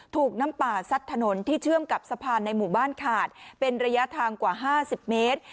ถูกน้ำป่าซัดถนนที่เชื่อมกับสะพานในหมู่บ้านขาดเป็นระยะทางกว่า๕๐เมตร